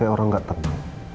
kayak orang gak tau